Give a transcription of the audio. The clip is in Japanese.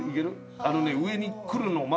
あのね上に来るのを。